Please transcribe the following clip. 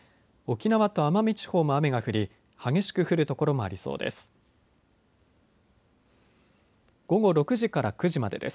沖縄と奄美地方も雨が降り激しく降るところもありそうです。